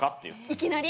いきなり？